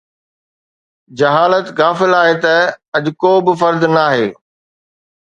جهالت غافل آهي ته اڄ ڪو به فرد ناهي